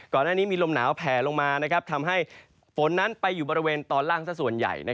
ก่อนหน้านี้มีลมหนาวแผลลงมาทำให้ฝนนั้นไปอยู่บริเวณตอนล่างสักส่วนใหญ่